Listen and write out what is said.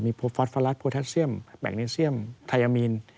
มีฟอสฟารัสโปรแทสเซียมแมกเนสเซียมไทยามีน